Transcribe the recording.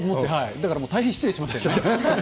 だから、大変失礼しましたよね。